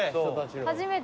初めて。